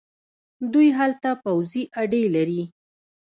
دوی هلته پوځي اډې لري.